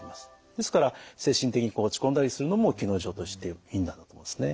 ですから精神的にこう落ち込んだりするのも気の異常としていいんだと思いますね。